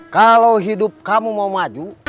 kalau hidup kamu mau maju